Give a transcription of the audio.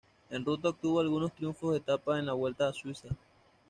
En ruta obtuvo algunos triunfos de etapa en la Vuelta a Suiza.